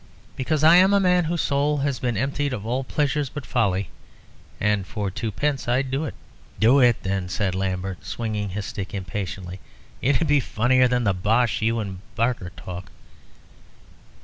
Because I am a man whose soul has been emptied of all pleasures but folly. And for twopence I'd do it." "Do it, then," said Lambert, swinging his stick impatiently. "It would be funnier than the bosh you and Barker talk."